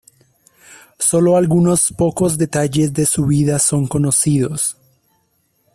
Sólo algunos pocos detalles de su vida son conocidos.